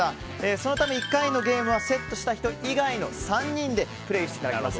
そのため１回のゲームはセットした人以外の３人でプレーしていただきます。